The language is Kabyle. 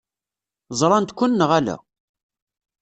Ẓṛant-ken neɣ ala?